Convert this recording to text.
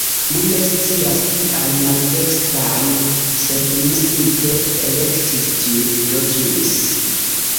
Mi ne scias, kial maldekstran, sed mi simple elektis ĝin. Do ĝis!